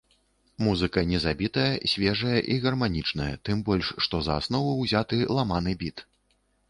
Музыка не забітая, свежая і гарманічная, тым больш, што за аснову ўзяты ламаны біт.